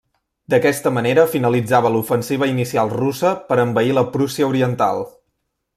D'aquesta manera finalitzava l'ofensiva inicial russa per envair la Prússia Oriental.